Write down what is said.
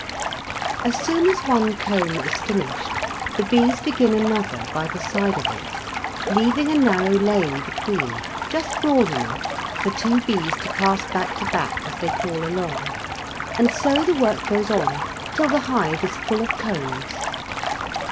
As soon as one comb is finished, the bees begin another by the side of it, leaving a narrow lane between, just broad enough for two bees to pass back to back as they crawl along, and so the work goes on till the hive is full of combs.